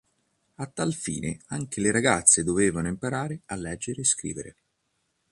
A tal fine anche le ragazze dovevano imparare a leggere e scrivere.